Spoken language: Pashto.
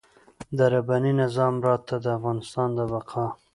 د رباني نظام راته د افغانستان د بقا.